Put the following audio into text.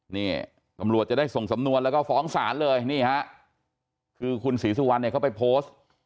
นี่ตำรวจจะได้ส่งสำนวนแล้วก็ฟ้องศาลเลยนี่ฮะคือคุณศรีสุวรรณเนี่ยเขาไปโพสต์